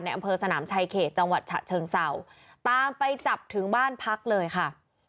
อำเภอสนามชายเขตจังหวัดฉะเชิงเศร้าตามไปจับถึงบ้านพักเลยค่ะ